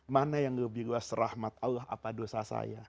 mana yang lebih luas rahmat allah apa dosa saya